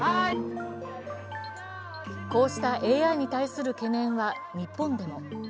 こうしたＡＩに対する懸念は日本でも。